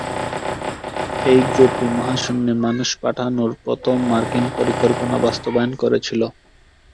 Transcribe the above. এই গ্রুপটি মহাশূন্যে মানুষ পাঠানোর প্রথম মার্কিন পরিকল্পনা বাস্তবায়ন করেছিল।